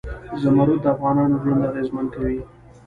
زمرد د افغانانو ژوند اغېزمن کوي.